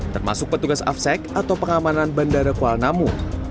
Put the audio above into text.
termasuk petugas afsec atau pengamanan bandara kuala namu